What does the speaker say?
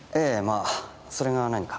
あそれが何か？